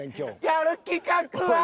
やる企画は！